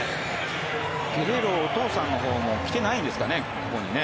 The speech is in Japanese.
ゲレーロのお父さんのほうもここに来てないんですかね？